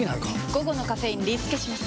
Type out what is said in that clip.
午後のカフェインリスケします！